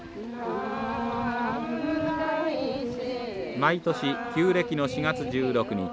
毎年旧暦の４月１６日